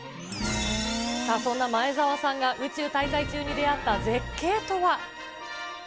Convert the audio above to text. さあ、そんな前澤さんが宇宙滞在中に出会った絶景とは。